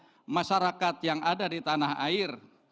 kepada masyarakat yang ada di tanah air